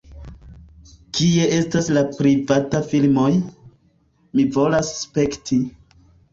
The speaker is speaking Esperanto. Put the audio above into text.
Kie estas la privataj filmoj? Mi volas spekti